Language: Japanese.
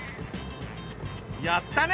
やったね。